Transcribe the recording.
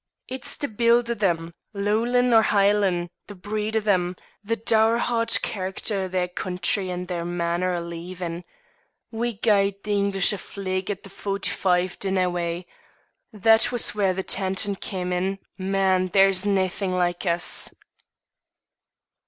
It's the build o' them, 'Lowlan' or 'Hielan', the breed o' them; the dour hard character o' their country and their mainner o' leevin'. We gied the English a fleg at the 'Forty five,' didnae we? That was where the tartan cam' in: man, there's naethin' like us!"